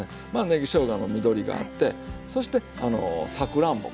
ねぎしょうがの緑があってそしてさくらんぼ。